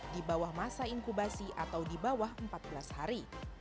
di bawah masa inkubasi atau di bawah empat belas hari